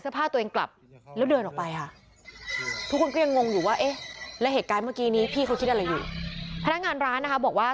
พนักงานร้านนะคะบอกว่า